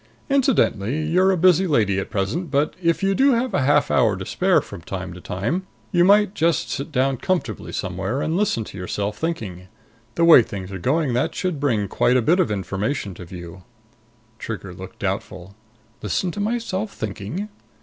"Incidentally, you're a busy lady at present, but if you do have half an hour to spare from time to time, you might just sit down comfortably somewhere and listen to yourself thinking. The way things are going, that should bring quite a bit of information to view." Trigger looked doubtful. "Listen to myself thinking?"